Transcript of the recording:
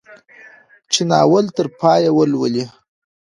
چې ناول تر پايه ولولي.